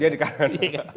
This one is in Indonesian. dia di kanan